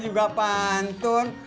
namanya juga pantun